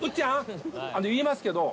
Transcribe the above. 言いますけど。